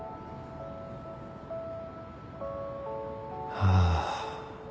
・ああ